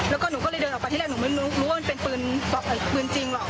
แล้วก็หนูก็เลยเดินออกไปที่แรกหนูไม่รู้ว่ามันเป็นปืนจริงหรอก